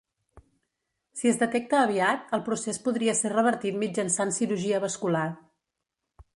Si es detecta aviat, el procés podria ser revertit mitjançant cirurgia vascular.